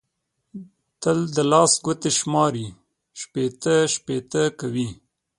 تل د لاس ګوتې شماري؛ شپېته شپېته کوي.